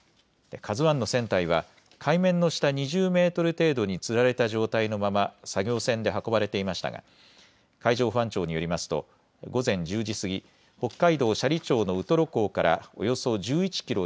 ＫＡＺＵＩの船体は海面の下２０メートル程度につられた状態のまま作業船で運ばれていましたが海上保安庁によりますと午前１０時過ぎ、北海道斜里町のウトロ港からおよそ１１キロ